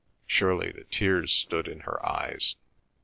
Surely the tears stood in her eyes?